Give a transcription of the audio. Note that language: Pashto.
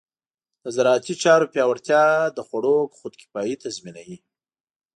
د زراعتي چارو پیاوړتیا د خوړو خودکفایي تضمینوي.